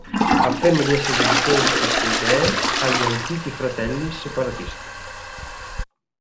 Afferma di essere debitore di queste idee agli "antichi fratelli" separatisti.